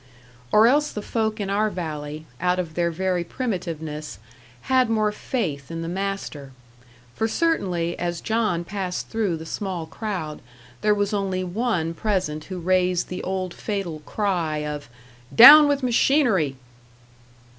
Or else the folk in our valley, out of their very primitiveness, had more faith in the master; for certainly, as John passed through the small crowd, there was only one present who raised the old fatal cry of "Down with machinery!"